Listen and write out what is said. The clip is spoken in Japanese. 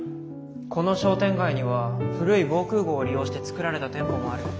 この商店街には古い防空ごうを利用して作られた店舗もある。